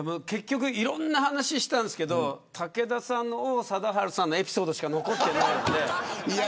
いろんな話したんですけど武田さんの王貞治さんのエピソードしか残ってないので。